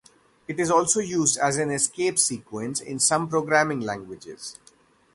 It is also used as an escape sequence in some programming languages.